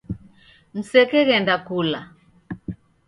Msekeghenda kula